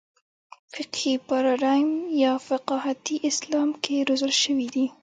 فقهي پاراډایم یا فقاهتي اسلام کې روزل شوي دي.